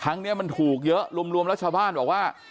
ครั้งนี้มันถูกเยอะรวมแล้วชาวบ้านบอกว่า